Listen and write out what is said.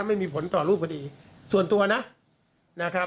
ไม่มีผลต่อรูปพอดีส่วนตัวนะ